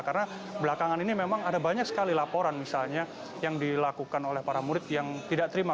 karena belakangan ini memang ada banyak sekali laporan misalnya yang dilakukan oleh para murid yang tidak terima